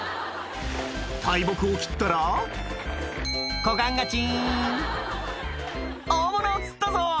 大木を切ったら股間がチン「大物を釣ったぞ」